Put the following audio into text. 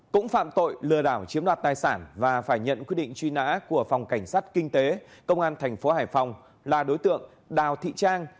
cũng phạm tội lừa đảo chiếm đoạt tài sản và phải nhận quyết định truy nã của phòng cảnh sát kinh tế công an thành phố hải phòng là đối tượng đào thị trang